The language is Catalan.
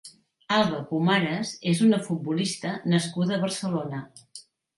Alba Pomares és una futbolista nascuda a Barcelona.